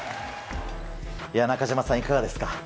中島さん、いかがですか。